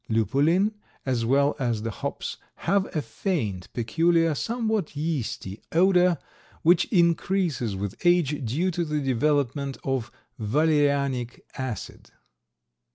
Lupulin as well as the hops have a faint, peculiar, somewhat yeasty odor, which increases with age due to the development of valerianic acid.